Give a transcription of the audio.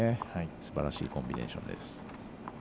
すばらしいコンビネーションです。